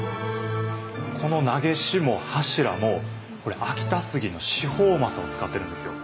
この長押も柱もこれ秋田杉の四方柾を使ってるんですよ。